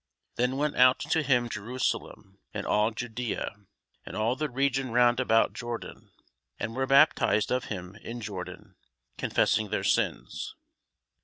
Then went out to him Jerusalem, and all Judæa, and all the region round about Jordan, and were baptized of him in Jordan, confessing their sins.